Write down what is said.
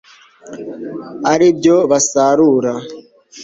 ari byo basarura